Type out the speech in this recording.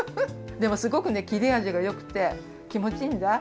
でもすごくねきれあじがよくてきもちいいんだ。